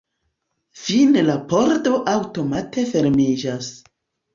Fine la pordo aŭtomate fermiĝas.